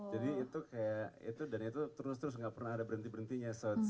jadi itu kayak itu dan itu terus terus gak pernah ada berhenti berhentinya